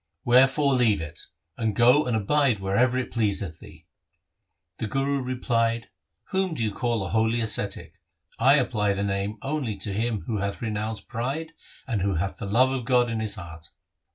Wherefore leave it, and go and abide wherever it pleaseth thee !' The Guru replied, ' Whom do you call a holy ascetic ? I apply the name only to him who hath renounced pride and who hath the love of God in his heart.